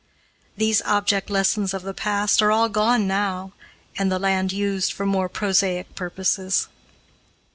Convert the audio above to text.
These object lessons of the past are all gone now and the land used for more prosaic purposes.